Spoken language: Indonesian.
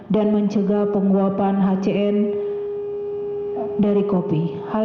dan menyebabkan penguapan hcn dari kopi